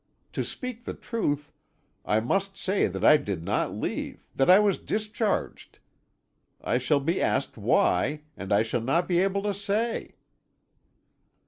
To speak the truth, I must say that I did not leave, that I was discharged. I shall be asked why, and I shall not be able to say."